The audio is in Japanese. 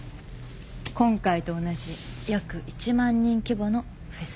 今回と同じ約１万人規模のフェス。